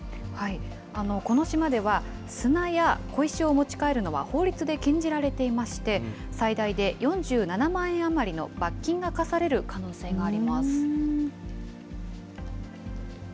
この島では、砂や小石を持ち帰るのは法律で禁じられていまして、最大で４７万円余りの罰金が科される可能性があります。